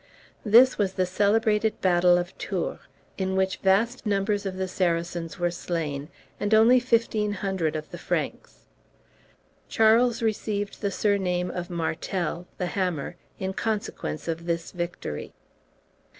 This was the celebrated battle of Tours, in which vast numbers of the Saracens were slain, and only fifteen hundred of the Franks. Charles received the surname of Martel (the Hammer) in consequence of this victory.